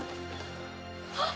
あっ！